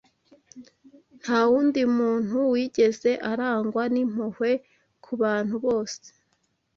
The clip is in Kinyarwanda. Nta wundi muntu wigeze arangwa n’impuhwe ku bantu bose